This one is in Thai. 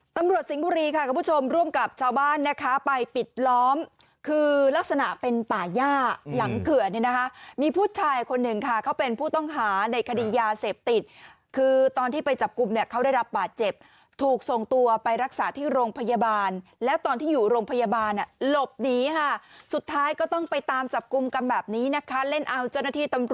ตำรวจสิงห์บุรีค่ะคุณผู้ชมร่วมกับชาวบ้านนะคะไปปิดล้อมคือลักษณะเป็นป่าย่าหลังเกลือเนี่ยนะคะมีผู้ชายคนหนึ่งค่ะเขาเป็นผู้ต้องหาในคดียาเสพติดคือตอนที่ไปจับกลุ่มเนี่ยเขาได้รับป่าเจ็บถูกส่งตัวไปรักษาที่โรงพยาบาลและตอนที่อยู่โรงพยาบาลลบหนีค่ะสุดท้ายก็ต้องไปตามจับกลุ่ม